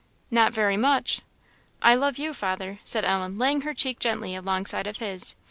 "Not very much!" "I love you, father," said Ellen, laying her cheek gently alongside of his.